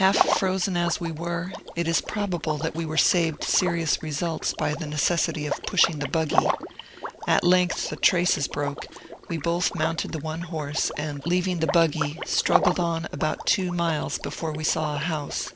Half frozen as we were, it is probable that we were saved serious results by the necessity of pushing the buggy. At length the traces broke, we both mounted the one horse, and leaving the buggy struggled on about two miles before we saw a house.